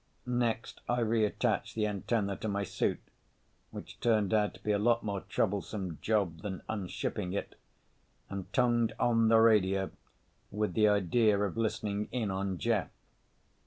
Next I reattached the antenna to my suit—which turned out to be a lot more troublesome job than unshipping it—and tongued on the radio with the idea of listening in on Jeff.